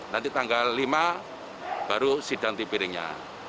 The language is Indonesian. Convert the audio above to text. nanti tanggal lima baru sidang tipiringnya